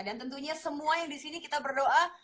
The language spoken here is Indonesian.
dan tentunya semua yang disini kita berdoa